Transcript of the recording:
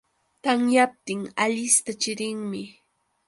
Tamyaptin Alista chirinmi